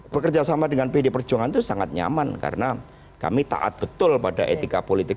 bekerjasama dengan pdi perjuangan itu sangat nyaman karena kami taat betul pada etika politik